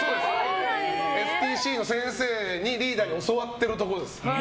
ＳＴＣの先生に教わってるところです。